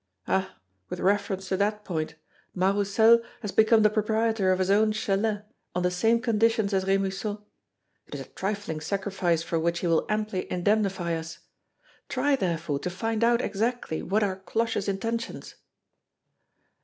Ha! with reference to that point, Mas Roussel has become the proprietor of his own chalet on the same conditions as Remusot. It is a trifling sacrifice for which he will amply indemnify us. Try, therefore, to find out exactly what are Cloche's intentions."